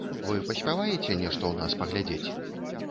Вы паспяваеце нешта ў нас паглядзець?